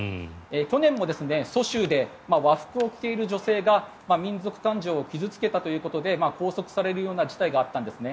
去年も蘇州で和服を着ている女性が民族感情を傷付けたということで拘束されるような事態があったんです。